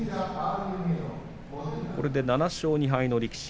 これで７勝２敗の力士